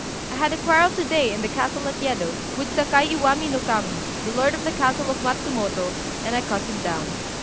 I had a quarrel to day in the castle at Yedo, with Sakai Iwami no Kami, the lord of the castle of Matsumoto, and I cut him down.